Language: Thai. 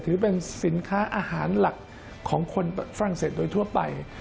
ถือเป็นสินค้าอาหารหลักของคนฝรั่งเศสโดยทั่วไป